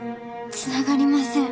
つながりません。